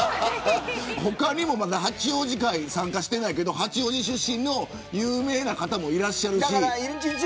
他にも会には参加してないけど八王子出身の有名な方もいらっしゃるし。